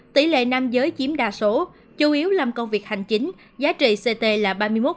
tỷ lệ nam giới chiếm đa số chủ yếu làm công việc hành chính giá trị ct là ba mươi một